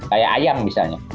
kayak ayam misalnya